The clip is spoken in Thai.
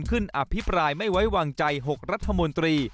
อภิปรายไม่ไว้วางใจ๖รัฐมนตรี